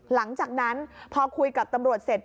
หลังจากนั้นพอคุยกับตำรวจเสร็จ